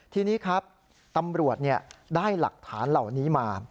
ทีนี้ครับตำรวจได้หลักฐานเหล่านี้มา